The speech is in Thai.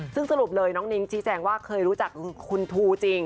ซึ่งสรุปเลยน้องนิ้งชี้แจงว่าเคยรู้จักคุณทูจริง